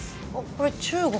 これ中国。